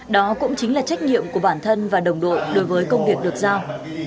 đó cũng chính là trách nhiệm của bản thân và đồng đội đối với công việc được giao